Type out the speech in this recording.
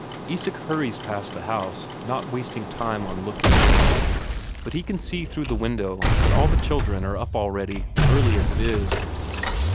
Isak hurries past the house, not wasting time on looking in, but he can see through the window that all the children are up already, early as it is.